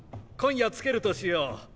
今夜つけるとしよう。